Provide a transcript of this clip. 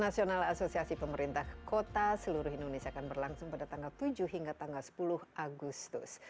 nasional asosiasi pemerintah kota seluruh indonesia akan berlangsung pada tanggal tujuh hingga tanggal sepuluh agustus